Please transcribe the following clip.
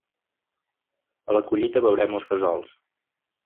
A la collita veurem els fesols.